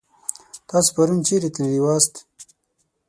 تاسو پرون چيرې تللي واست؟